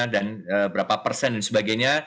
dan berapa persen dan sebagainya